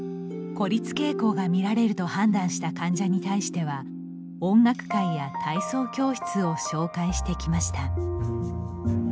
孤立傾向が見られると判断した患者に対しては音楽会や体操教室を紹介してきました。